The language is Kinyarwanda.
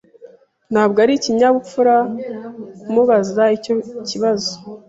Ntabwo ari ikinyabupfura kumubaza icyo kibazo.